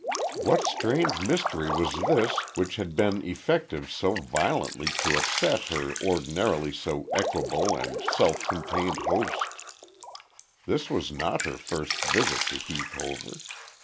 What strange mystery was this which had been effective so violently to upset her ordinarily so equable and self contained host this was not her first visit to Heath Hover.